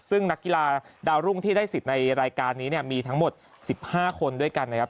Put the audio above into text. ซึ่งนักกีฬาดาวรุ่งที่ได้สิทธิ์ในรายการนี้เนี่ยมีทั้งหมด๑๕คนด้วยกันนะครับ